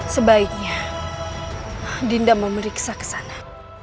sebaiknya dinda memeriksa ke sana